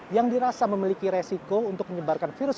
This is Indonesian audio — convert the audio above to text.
yang dirasa memiliki resiko untuk menyebabkan penyakit